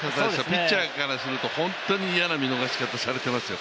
ピッチャーからすると本当に嫌な見逃し方されていますよ。